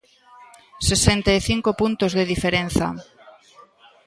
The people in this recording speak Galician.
Sesenta e cinco puntos de diferenza.